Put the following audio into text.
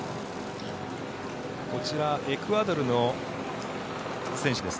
こちら、エクアドルの選手です。